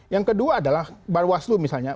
yang kedua adalah bawaslu misalnya